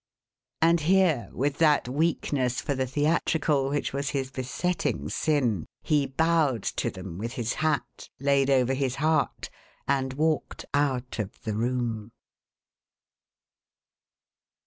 And here with that weakness for the theatrical which was his besetting sin, he bowed to them with his hat laid over his heart, and walked out of the room.